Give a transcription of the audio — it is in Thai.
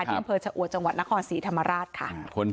ที่เมืองเฉอัวจังหวัดนครศรีธรรมราชค่ะ